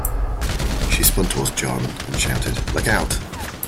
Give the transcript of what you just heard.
She spun towards John and shouted, "Look Out!"